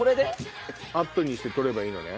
アップにして撮ればいいのね。